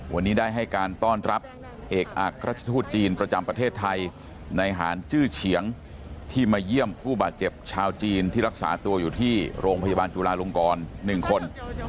วันนี้ได้ให้การต้อนรับเอกอักราชทูตจีนประจำประเทศไทยในหารจื้อเฉียงที่มาเยี่ยมผู้บาดเจ็บชาวจีนที่รักษาตัวอยู่ที่โรงพยาบาลจุลาลงกร๑คน